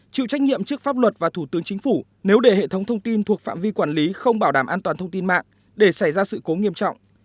chịu trách nhiệm trước pháp luật và thủ tướng chính phủ nếu để hệ thống thông tin thuộc phạm vi quản lý không bảo đảm an toàn thông tin mạng để xảy ra sự cố nghiêm trọng